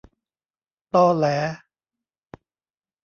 ตอแหล